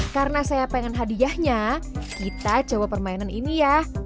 karena saya pengen hadiahnya kita coba permainan ini ya